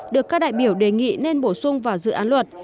được các đại biểu đề nghị nên bổ sung vào dự án luật